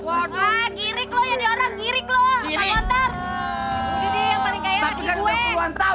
ah girik lu jadi orang girik lu pak gontor